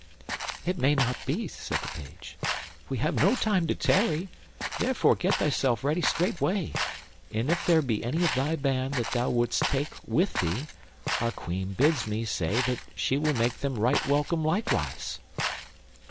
"It may not be," said the Page; "we have no time to tarry, therefore get thyself ready straightway; and if there be any of thy band that thou wouldst take with thee, our Queen bids me say that she will make them right welcome likewise."